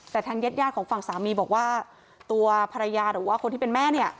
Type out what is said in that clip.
แต่ทางญาติของฝั่งสามีบอกว่าตัวภรรยาหรือว่าคนที่เป็นแม่เนี่ย